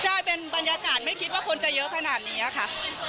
ใช่เป็นบรรยากาศไม่คิดว่าคนจะเยอะขนาดนี้ค่ะ